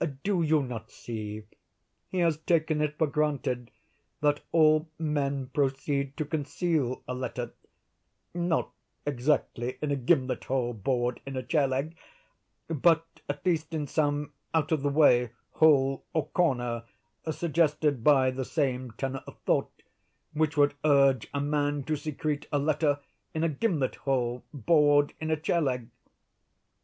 Do you not see he has taken it for granted that all men proceed to conceal a letter,—not exactly in a gimlet hole bored in a chair leg—but, at least, in some out of the way hole or corner suggested by the same tenor of thought which would urge a man to secrete a letter in a gimlet hole bored in a chair leg?